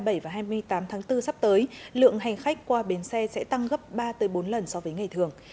dự báo là các ngày hai mươi sáu hai mươi bảy và hai mươi tám tháng bốn sắp tới lượng hành khách qua bến xe sẽ tăng gấp ba bốn lần so với ngày thường